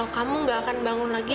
kamu gak akan bangun lagi